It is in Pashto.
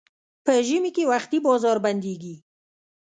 په ژمي کې وختي بازار بندېږي.